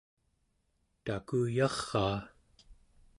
takuyaraa